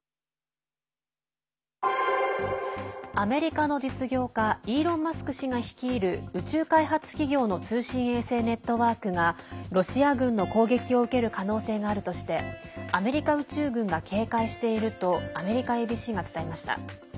アメリカの実業家イーロン・マスク氏が率いる宇宙開発企業の通信衛星ネットワークがロシア軍の攻撃を受ける可能性があるとしてアメリカ宇宙軍が警戒しているとアメリカＡＢＣが伝えました。